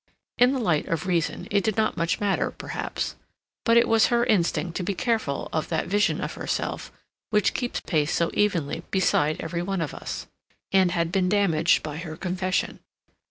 In the light of reason it did not much matter, perhaps, but it was her instinct to be careful of that vision of herself which keeps pace so evenly beside every one of us, and had been damaged by her confession.